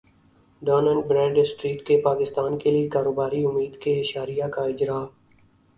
done and Bradstreet کے پاکستان کیلیے کاروباری امید کے اشاریہ کا اجرا